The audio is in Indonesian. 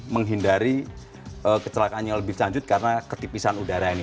menghindari kecelakaan yang lebih lanjut karena ketipisan udara ini